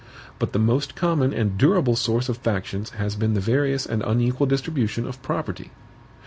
But the most common and durable source of factions has been the various and unequal distribution of property.